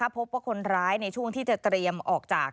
พบว่าคนร้ายในช่วงที่จะเตรียมออกจาก